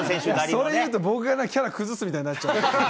それ言うと、僕が、キャラ崩すみたいになっちゃうんで。